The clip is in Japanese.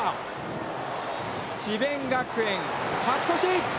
智弁学園、勝ち越し。